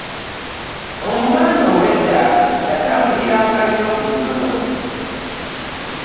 Omuganda ow'edda yatambuliranga nnyo ku nnono.